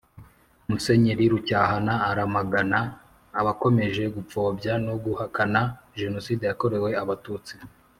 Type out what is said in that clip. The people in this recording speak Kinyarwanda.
Musenyeri rucyahana aramagana abakomeje gupfobya no guhakana jenoside yakorewe abatutsi